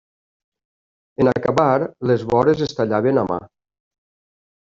En acabar, les vores es tallaven a mà.